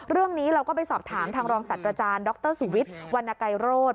เรื่องนี้เราก็ไปสอบถามทางรองศัตว์อาจารย์ดรสุวิทย์วรรณไกรโรธ